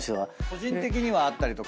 個人的にはあったりとかは。